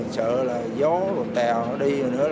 sợ là gió tèo đi rồi nữa